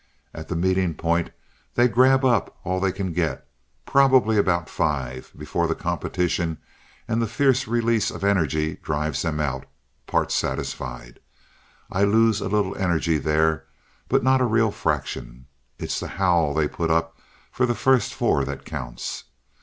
At the meeting point, they grab up all they can get probably about five before the competition and the fierce release of energy drives them out, part satisfied. I lose a little energy there, but not a real fraction. It's the howl they put up for the first four that counts.